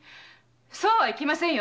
そうはいきませんよ！